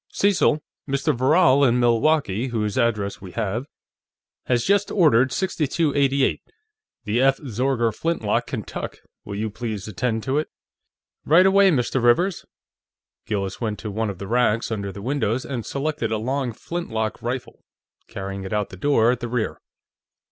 "Cecil, Mr. Verral, in Milwaukee, whose address we have, has just ordered 6288, the F. Zorger flintlock Kentuck. Will you please attend to it?" "Right away, Mr. Rivers." Gillis went to one of the racks under the windows and selected a long flintlock rifle, carrying it out the door at the rear.